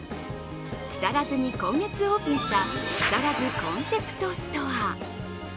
木更津に今月オープンした木更津コンセプトストア。